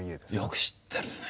よく知ってるね。